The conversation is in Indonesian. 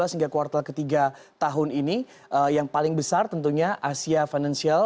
hingga kuartal ketiga tahun ini yang paling besar tentunya asia financial